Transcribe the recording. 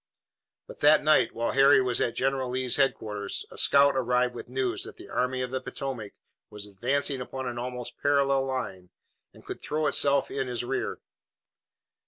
But that night, while Harry was at General Lee's headquarters, a scout arrived with news that the Army of the Potomac was advancing upon an almost parallel line and could throw itself in his rear.